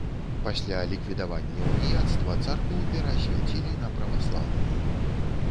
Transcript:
Пасля ліквідавання ўніяцтва царкву пераасвяцілі на праваслаўную.